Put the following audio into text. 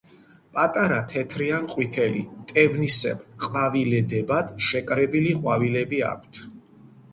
პატარა თეთრი ან ყვითელი, მტევნისებრ ყვავილედებად შეკრებილი ყვავილები აქვთ.